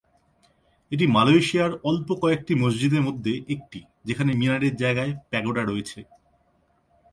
এটি মালয়েশিয়ার অল্প কয়েকটি মসজিদের মধ্যে একটি, যেখানে মিনারের জায়গায় প্যাগোডা রয়েছে।